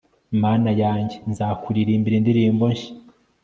mana yanjye, nzakuririmbira indirimbo nshya